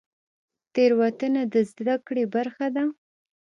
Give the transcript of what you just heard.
تیروتنه د زده کړې برخه ده